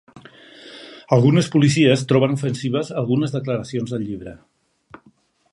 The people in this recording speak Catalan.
Algunes policies troben ofensives algunes declaracions del llibre